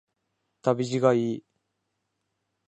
旅路がいい